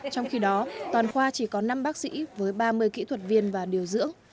trong khi đó toàn khoa chỉ có năm bác sĩ với ba mươi kỹ thuật viên và điều dưỡng